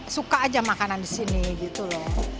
suka aja makanan di sini gitu loh